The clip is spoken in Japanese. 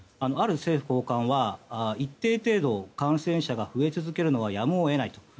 ある政府高官は一定程度感染者が増え続けるのはやむを得ないと。